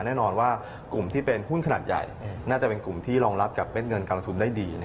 แน่นอนว่ากลุ่มที่เป็นหุ้นขนาดใหญ่น่าจะเป็นกลุ่มที่รองรับกับเม็ดเงินการลงทุนได้ดี